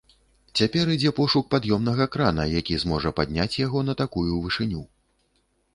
Цяпер ідзе пошук пад'ёмнага крана, які зможа падняць яго на такую вышыню.